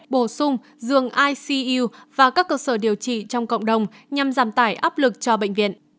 bổ sung dường icu và các cơ sở điều trị trong cộng đồng nhằm giảm tải áp lực cho bệnh viện